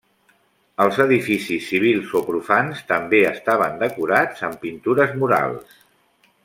Els edificis civils o profans també estaven decorats amb pintures murals.